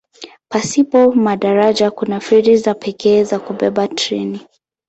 Pasipo madaraja kuna feri za pekee za kubeba treni.